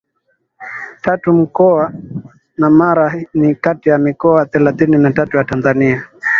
tatu Mkoa wa Mara ni kati ya mikoa thelathini na tatu ya Tanzania